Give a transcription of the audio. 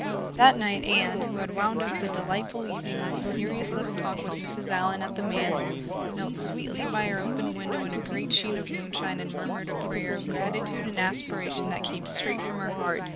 That night Anne, who had wound up the delightful evening with a serious little talk with Mrs. Allan at the manse, knelt sweetly by her open window in a great sheen of moonshine and murmured a prayer of gratitude and aspiration that came straight from her heart.